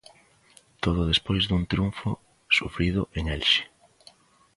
Todo despois dun triunfo sufrido en Elxe.